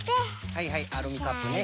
はいはいアルミカップね。